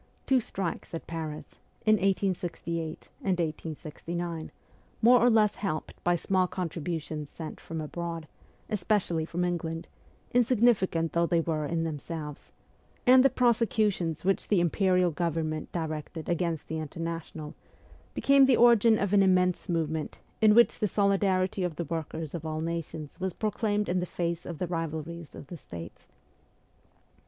Two strikes at Paris, in 1868 and 1869, more or less helped by small contributions sent from abroad, especially from England, insignificant though they were in themselves, and the prosecutions which the Imperial Government directed against the International, became the origin of an immense movement, in which the solidarity of the workers of all nations was proclaimed in the face of the rivalries of the States.